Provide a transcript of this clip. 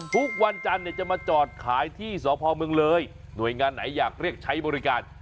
ทุกวันจันทร์จะมาจอดขายที่สพเมืองเลยหน่วยงานไหนอยากเรียกใช้บริการ